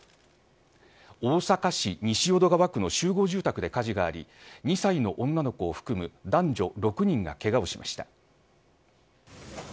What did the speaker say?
大阪市西淀川区の集合住宅で火事があり２歳の女の子を含む男女６人がけがをしました。